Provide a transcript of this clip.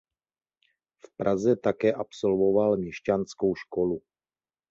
V Praze také absolvoval měšťanskou školu.